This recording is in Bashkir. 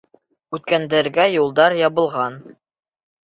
Үткәндәргә юлдар ябылған.